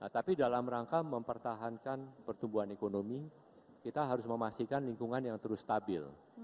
tapi dalam rangka mempertahankan pertumbuhan ekonomi kita harus memastikan lingkungan yang terus stabil